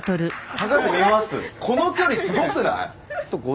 この距離すごくない？